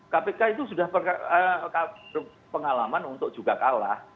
kpk itu sudah berpengalaman untuk juga kalah